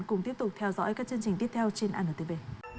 cùng tiếp tục theo dõi các chương trình tiếp theo trên antv